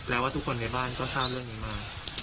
แล้วว่าทุกคนในบ้านก็ทราบเรื่องนี้มา